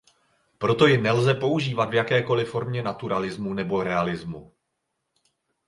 Proto ji nelze použít v jakékoli formě naturalismu nebo realismu.